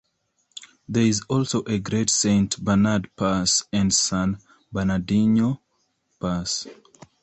There is also a Great Saint Bernard Pass and a San Bernardino Pass.